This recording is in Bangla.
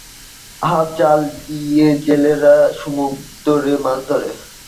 হাফ জাল দিয়ে জেলেরা সমুদ্রে মাছ ধরে।